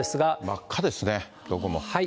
真っ赤ですね、どこも。